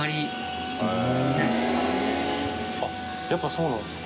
やっぱそうなんですか？